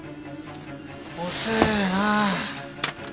遅えなあ。